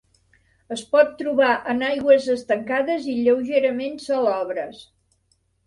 Es pot trobar en aigües estancades i lleugerament salobres.